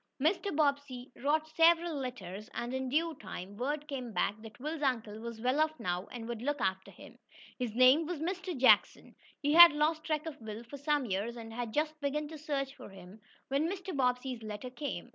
Mr. Bobbsey wrote several letters, and, in due time, word came back that Will's uncle was well off now, and would look after him. His name was Mr. Jackson. He had lost track of Will for some years and had just begun a search for him, when Mr. Bobbsey's letter came.